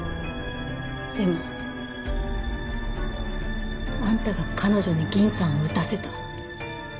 でもあんたが彼女に銀さんを撃たせた。